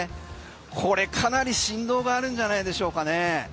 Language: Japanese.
これかなり振動があるんじゃないでしょうかね。